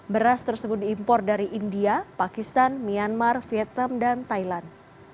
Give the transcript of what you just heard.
beras tersebut diimpor dari india pakistan myanmar vietnam dan thailand